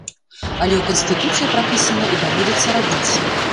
Але ў канстытуцыі прапісана і даводзіцца рабіць.